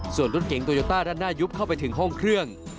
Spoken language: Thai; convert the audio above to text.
ส่วนรถเก๋งโตโยต้าด้านหน้ายุบเข้าไปถึงห้องเครื่อง